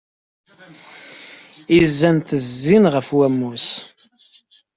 Izan ttezzin ɣef wamus.